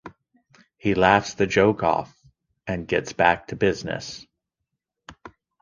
He laughs the joke off and gets back to business.